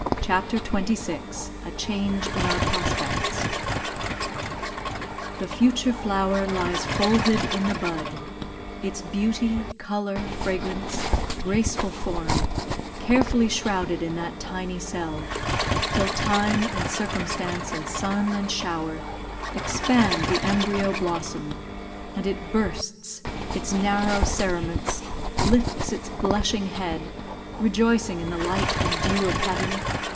CHAPTER XXVI A CHANGE IN OUR PROSPECTS The future flower lies folded in the bud, Its beauty, colour, fragrance, graceful form, Carefully shrouded in that tiny cell; Till time and circumstance, and sun and shower, Expand the embryo blossom and it bursts Its narrow cerements, lifts its blushing head, Rejoicing in the light and dew of heaven.